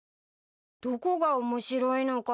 どこが面白いのかな？